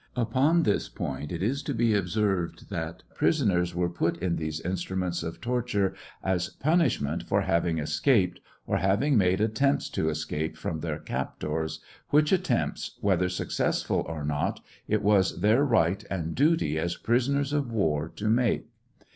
Upon this point it is to be observed that prisoners were put in these instruments of torture as punishment for having escaped, or having made attempts to escape from their captors, which attempts, whether successful or not, it was their right and duty as prisoners of war to make.